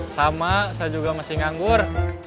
sama saya juga masih nganggur